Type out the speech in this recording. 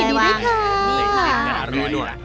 นี่กล่าว